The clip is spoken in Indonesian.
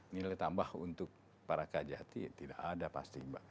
nilai tambah untuk para kajati tidak ada pasti mbak